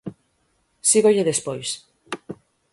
Sígolle despois.